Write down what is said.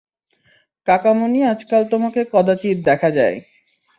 কানমাণি আজকাল তোমাকে কদাচিৎ দেখা যায়।